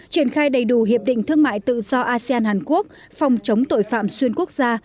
triển khai đầy đủ hiệp định thương mại tự do asean hàn quốc phòng chống tội phạm xuyên quốc gia